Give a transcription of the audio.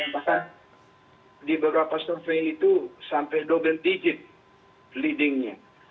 bahkan di beberapa survei itu sampai double digit leadingnya